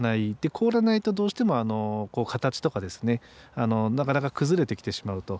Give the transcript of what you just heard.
凍らないとどうしても形とかですねなかなか崩れてきてしまうと。